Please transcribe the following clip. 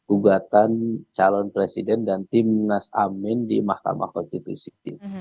ugatan calon presiden dan tim nas amin di mahkamah konstitusi